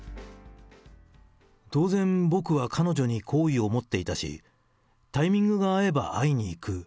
当然、僕は彼女に好意を持っていたし、タイミングが合えば会いに行く。